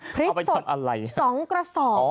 พริกสด๒กระสอบอะ